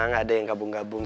nggak ada yang gabung gabung